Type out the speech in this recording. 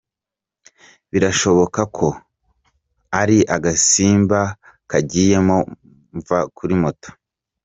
Birashoboka ko ari agasimba kagiyemo mva kuri moto.